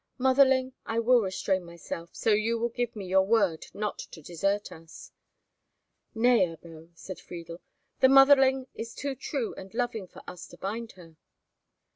"Motherling, I will restrain myself, so you will give me your word not to desert us." "Nay, Ebbo," said Friedel, "the motherling is too true and loving for us to bind her."